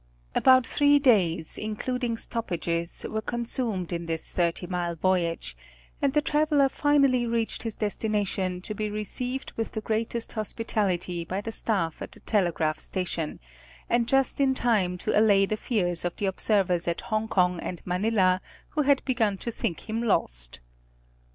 29 About three days, including stoppages, were consumed in this thirty mile voyage, and the traveler finally reached his destina tion to be received with the greatest hospitality by the staff at the telegraph station, and just in time to allay the fears of the observers at Hong Kong and Manila who had begun to think him lost.